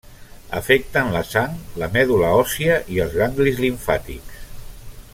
Afecten la sang, la medul·la òssia i els ganglis limfàtics.